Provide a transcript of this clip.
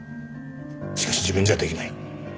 しかし自分じゃ出来ない。